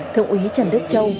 thượng úy trần đức châu